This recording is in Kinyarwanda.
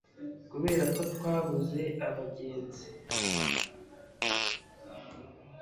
kubera ko twabuze abagenzi.